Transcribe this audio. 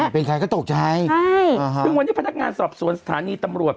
เป็นใครก็ตกใจใช่ซึ่งวันนี้พนักงานสอบสวนสถานีตำรวจ